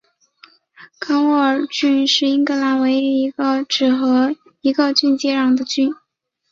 康沃尔郡是英格兰唯一一个只和一个郡接壤的郡。